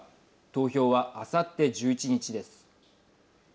投票は、あさって１１日です。